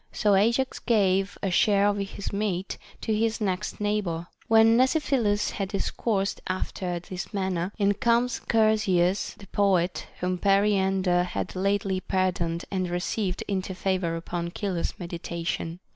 So Ajax gave a share of his meat to his next neighbor. When Mnesiphilus had discoursed after this manner, in comes Chersias the poet, whom Periander had lately par doned and received into favor upon Chilo's mediation.